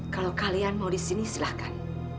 kalau kalian mau disini silahkan